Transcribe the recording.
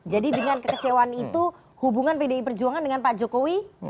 jadi dengan kecewaan itu hubungan pdi perjuangan dengan pak jokowi